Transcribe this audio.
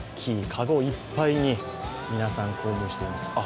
籠いっぱいに皆さん購入しています。